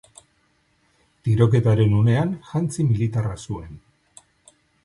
Tiroketaren unean, jantzi militarra zuen.